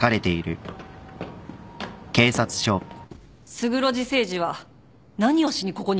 勝呂寺誠司は何をしにここに来たんですか？